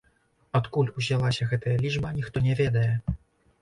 Адкуль узялася гэтая лічба, ніхто не ведае.